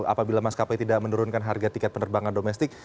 apabila mas kp tidak menurunkan harga tiket penerbangan domestik